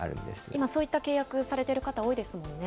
今、そういった契約されている方多いですもんね。